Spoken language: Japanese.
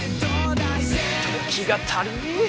時が足りねぇ！